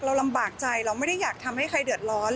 ลำบากใจเราไม่ได้อยากทำให้ใครเดือดร้อน